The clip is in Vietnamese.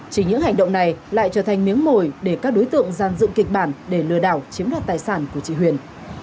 chỉ những hành động này lại trở thành miếng mồi để các đối tượng gian dựng kịch bản để lừa đảo chiếm đoạt tài sản của chị huyền